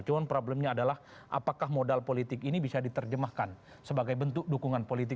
cuma problemnya adalah apakah modal politik ini memiliki modal politik yang memiliki modal politik yang memiliki modal politik yang memiliki modal politik